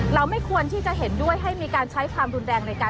การฆ่าหรือการกระทำคำรุนแรงเกิดขึ้น